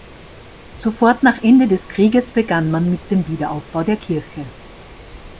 Sofort nach Ende des Krieges begann man mit dem Wiederaufbau der Kirche.